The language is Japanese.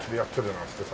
なんつってさ。